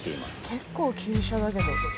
結構急斜だけど。